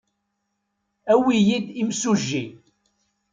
Awi-iyi-d imsujji.